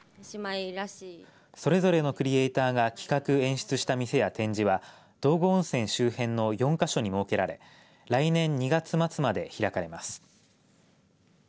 それぞれのクリエイターが企画・演出した店や展示は道後温泉周辺の４か所に設けられ来年２月末まで開かれます。